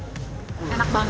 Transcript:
sate yang dikacaukan